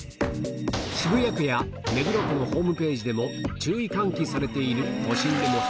渋谷区や目黒区のホームページでも注意喚起されているする